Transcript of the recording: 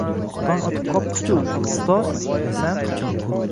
— Tong otib qopti-ku, ustoz! –desam.